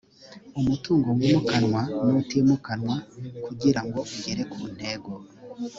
umutungo wimukanwa nutimukanwa kugira ngo ugere ku ntego